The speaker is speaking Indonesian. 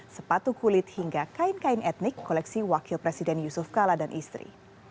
sepatu kulit hingga kain kain etnik koleksi wakil presiden yusuf kala dan istri